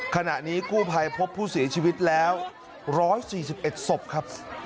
ขณะนี้กู้ภัยพบผู้เสียชีวิตแล้ว๑๔๑ศพครับ